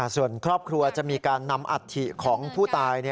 ส่วนครอบครัวจะมีการนำอัฐิของผู้ตาย